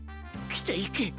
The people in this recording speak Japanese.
着ていけ。